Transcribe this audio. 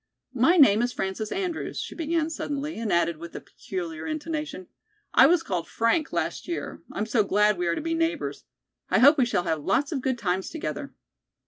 "My name is Frances Andrews," she began suddenly, and added with a peculiar intonation, "I was called 'Frank' last year. I'm so glad we are to be neighbors. I hope we shall have lots of good times together."